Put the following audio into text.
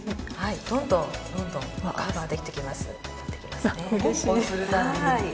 どんどんどんどんカバーできてきます。